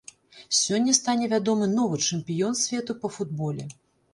Сёння стане вядомы новы чэмпіён свету па футболе.